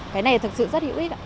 cái này thật sự rất hữu ích ạ